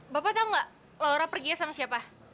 bapak tahu nggak laura perginya sama siapa